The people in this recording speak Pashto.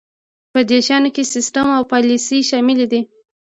په دې شیانو کې سیستم او پالیسي شامل دي.